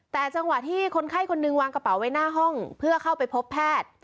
แต่จังหวะที่คนไข้คนหนึ่งวางกระเป๋าไว้หน้าห้องเพื่อเข้าไปพบแพทย์